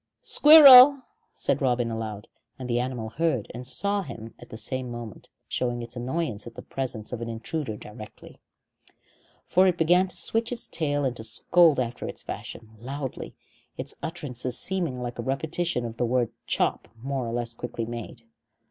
"Squirrel!" said Robin aloud, and the animal heard and saw him at the same moment, showing its annoyance at the presence of an intruder directly. For it began to switch its tail and scold after its fashion, loudly, its utterances seeming like a repetition of the word "chop" more or less quickly made.